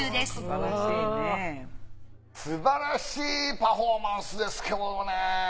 すばらしいパフォーマンスですけどもね。